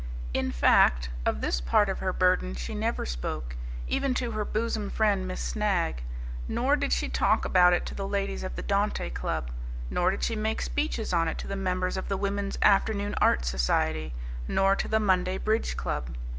In fact, of this part of her burden she never spoke, even to her bosom friend Miss Snagg; nor did she talk about it to the ladies of the Dante Club, nor did she make speeches on it to the members of the Women's Afternoon Art Society, nor to the Monday Bridge Club.